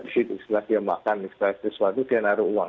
setelah dia makan setelah sesuatu dia naruh uang